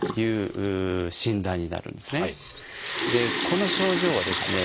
この症状はですね